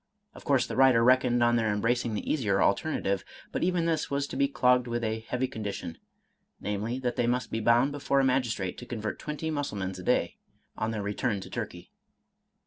Of course the writer reckoned on their embracing the easier alternative, but even this was to be clogged with a heavy condition, — namely, that they. must be bound before a magistrate to convert twenty Mussulmans a day, on their return to Tur key.